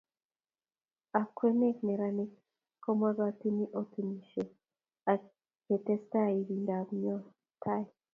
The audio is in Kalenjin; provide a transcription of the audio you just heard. Akwek neranik komagatin otinisie ak ketesetai ibindap nyo tai